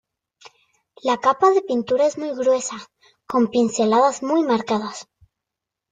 La capa de pintura es muy gruesa, con pinceladas muy marcadas.